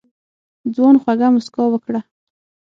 ځوان خوږه موسکا وکړه.